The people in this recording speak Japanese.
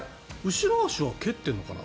後ろ足は蹴ってるのかな？